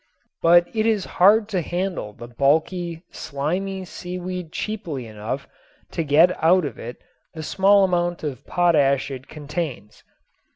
But it is hard to handle the bulky, slimy seaweed cheaply enough to get out of it the small amount of potash it contains.